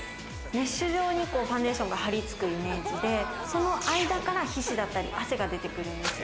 メッシュ状にファンデーションが張りつくイメージで、その間から皮脂だったり汗が出てくるんです。